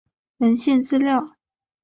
文献资料